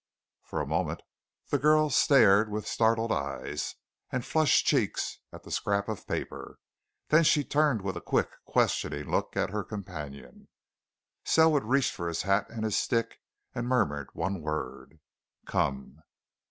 For a moment the girl stared with startled eyes and flushed cheeks at the scrap of paper; then she turned with a quick, questioning look at her companion. And Selwood reached for his hat and his stick, and murmured one word: "Come!"